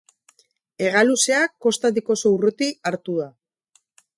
Hegaluzea kostatik oso urruti hartu da.